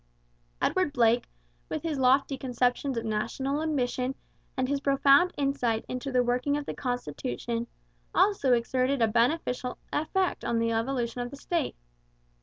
Edward Blake, with his lofty conceptions of national ambition and his profound insight into the working of the constitution, also exerted a beneficial effect on the evolution of the state.